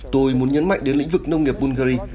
tôi muốn nhấn mạnh đến lĩnh vực nông nghiệp bungary